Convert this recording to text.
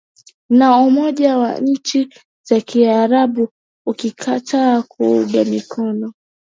na umoja wa nchi za kiarabu ukikataa kuunga mkono